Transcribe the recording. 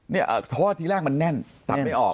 เนี่ยเพราะว่าทีแรกมันแน่นตัดไม่ออก